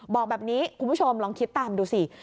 บอกแบบนี้คุณผู้ชมลองคิดตามดูสิ